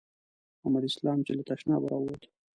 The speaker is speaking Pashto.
محمد اسلام چې له تشنابه راووت.